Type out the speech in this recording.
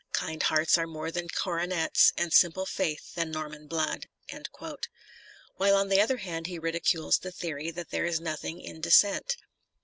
Kind hearts are more than coronets. And simple faith than Norman blood. While on the other hand he ridicules the theory that there is nothing in descent.